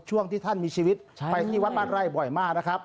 ช่วงที่ท่านมีชีวิตไปที่วัดบ้านไร่บ่อยมากนะครับ